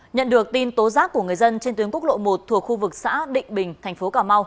nhận được tin tố giác của người dân trên tuyến quốc lộ một thuộc khu vực xã định bình tp hcm